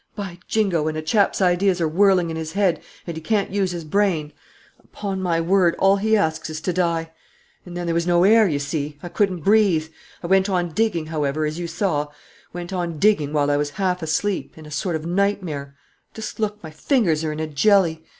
By Jingo! when a chap's ideas are whirling in his head and he can't use his brain, upon my word, all he asks is to die? And then there was no air, you see. I couldn't breathe. I went on digging, however, as you saw, went on digging while I was half asleep, in a sort of nightmare. Just look: my fingers are in a jelly.